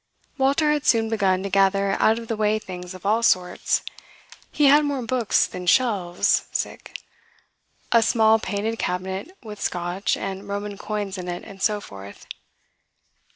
"Walter had soon begun to gather out of the way things of all sorts. He had more books than shelves; a small painted cabinet with Scotch and Roman coins in it, and so forth.